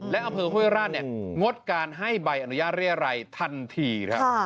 และอัพธิภาพโฮยราชงดการให้ใบอนุญาตเรียรัยทันที